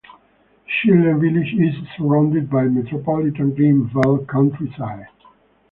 This Chiltern village is surrounded by Metropolitan Green Belt countryside.